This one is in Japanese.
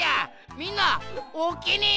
みんなおおきに！